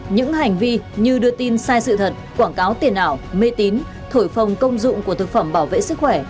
những hành vi như đưa tin sai sự thật quảng cáo tiền ảo mê tín thổi phồng công dụng của thực phẩm bảo vệ sức khỏe